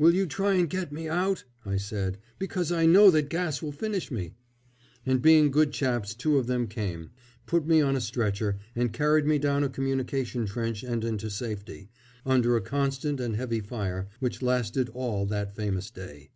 "Will you try and get me out?" I said; "because I know that gas will finish me." And being good chaps two of them came, put me on a stretcher, and carried me down a communication trench and into safety, under a constant and heavy fire, which lasted all that famous day.